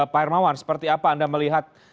pak hermawan seperti apa anda melihat